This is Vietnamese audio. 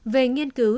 về nghiên cứu